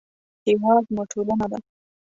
هېواد مو ټولنه ده